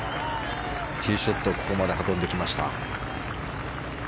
ティーショットをここまで運んできました。